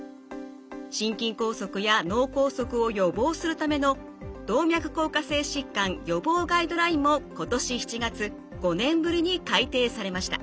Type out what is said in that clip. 心筋梗塞や脳梗塞を予防するための「動脈硬化性疾患予防ガイドライン」も今年７月５年ぶりに改訂されました。